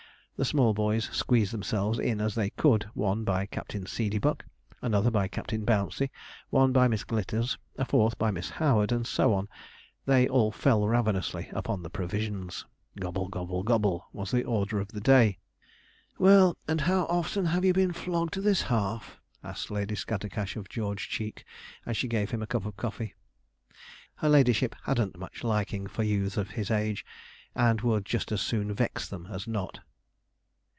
The small boys squeezed themselves in as they could, one by Captain Seedeybuck, another by Captain Bouncey, one by Miss Glitters, a fourth by Miss Howard, and so on. They all fell ravenously upon the provisions. Gobble, gobble, gobble was the order of the day. 'Well, and how often have you been flogged this half?' asked Lady Scattercash of George Cheek, as she gave him a cup of coffee. Her ladyship hadn't much liking for youths of his age, and would just as soon vex them as not.